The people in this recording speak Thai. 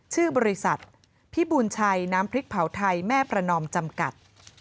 ชื่อบริษัทพิบูลชัยน้ำพริกเผาไทยแม่ประนอมจำกัด